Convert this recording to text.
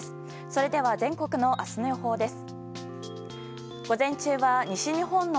それでは、全国の明日の予報です。